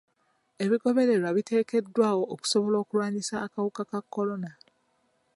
Ebigobererwa biteekeddwawo okusobola okulwanyisa akawuka ka kolona.